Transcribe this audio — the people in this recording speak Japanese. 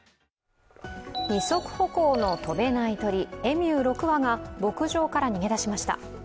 二足歩行の跳べない鳥エミュー６羽が牧場から逃げ出しました。